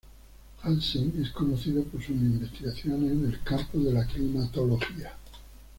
Hansen es conocido por sus investigaciones en el campo de la climatología.